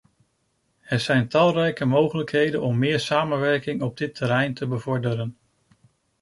Er zijn talrijke mogelijkheden om meer samenwerking op dit terrein te bevorderen.